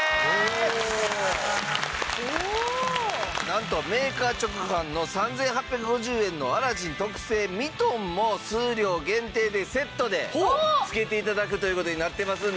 なんとメーカー直販の３８５０円のアラジン特製ミトンも数量限定でセットでつけて頂くという事になってますんで。